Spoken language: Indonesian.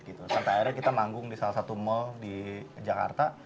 sampai akhirnya kita manggung di salah satu mal di jakarta